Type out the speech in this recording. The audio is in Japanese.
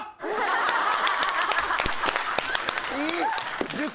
いい！